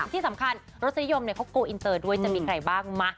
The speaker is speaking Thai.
ที่สำคัญรสนิยมเขาโกลอินเตอร์ด้วยจะมีใครบ้างมา